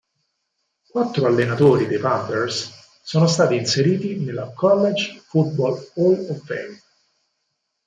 Quattro allenatori dei Panthers sono stati inseriti nella College Football Hall of Fame.